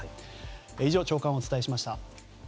以上、朝刊をお伝えしました。